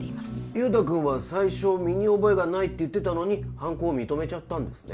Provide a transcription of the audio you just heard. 雄太君は最初身に覚えがないって言ってたのに犯行を認めちゃったんですね